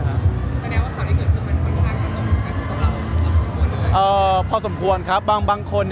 แปลว่าเขาได้เงินคือมันความสมบัติกับเราพอสมควรด้วย